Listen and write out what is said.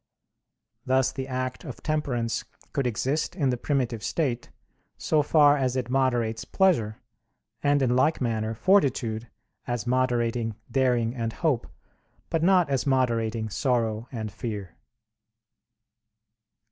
Thus the act of temperance could exist in the primitive state, so far as it moderates pleasure; and in like manner, fortitude, as moderating daring and hope, but not as moderating sorrow and fear.